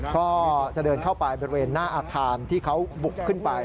ก็จะเดินเข้าไปบริเวณหน้าอาคารที่เขาบุกขึ้นไป